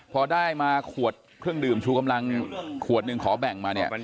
พอได้มาขวดเครื่องดื่มชูกำลังขวดหนึ่งขอแบ่งมาเนี่ย